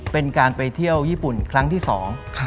เป็นการไปเที่ยวญี่ปุ่นครั้งที่สอง